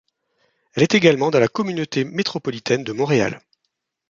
Elle est également dans la Communauté métropolitaine de Montréal.